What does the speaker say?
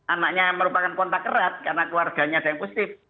anaknya merupakan kontak erat karena keluarganya ada yang positif